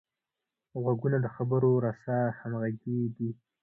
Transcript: غوږونه د خبرو رسه همغږي دي